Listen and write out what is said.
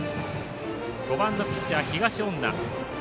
５番のピッチャー、東恩納。